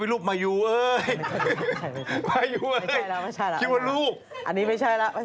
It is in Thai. ลูบมายูแอบอยู่ตรงนั้น